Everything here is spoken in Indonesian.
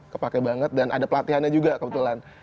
kepake banget dan ada pelatihannya juga kebetulan